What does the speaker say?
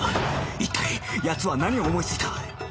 一体奴は何を思いついた？